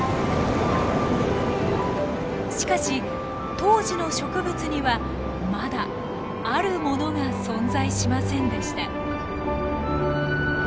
しかし当時の植物にはまだあるものが存在しませんでした。